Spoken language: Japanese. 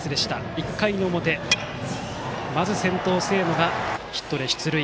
１回の表、まず先頭の清野がヒットで出塁。